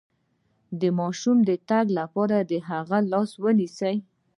د ماشوم د تګ لپاره د هغه لاس ونیسئ